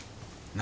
何？